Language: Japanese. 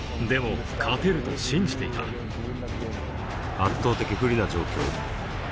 圧倒的不利な状況